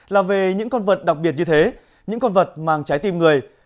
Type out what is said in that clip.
là về những con vật đặc biệt như thế những con vật mang trái tim người